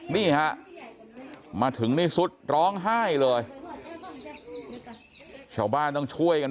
นี่ฮะมาถึงนี่สุดร้องไห้เลยชาวบ้านต้องช่วยกัน